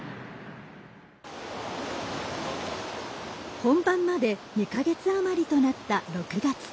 本番まで２か月余りとなった６月。